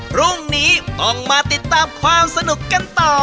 พรุ่งนี้ต้องมาติดตามความสนุกกันต่อ